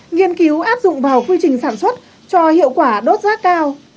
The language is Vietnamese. nghiên cứu áp dụng vào quy trình sản xuất cho hiệu quả đốt rác cao